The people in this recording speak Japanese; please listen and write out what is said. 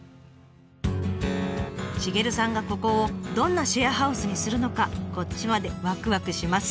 シゲルさんがここをどんなシェアハウスにするのかこっちまでわくわくします。